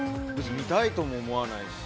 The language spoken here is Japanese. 見たいとも思わないし。